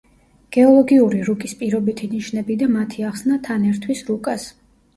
გეოლოგიური რუკის პირობითი ნიშნები და მათი ახსნა თან ერთვის რუკას.